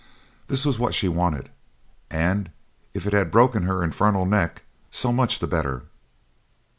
This was what she wanted, and if it had broken her infernal neck so much the better.